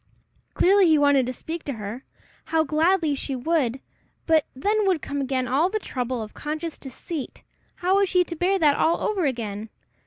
Clearly he wanted to speak to her! How gladly she would! but then would come again all the trouble of conscious deceit: how was she to bear that all over again!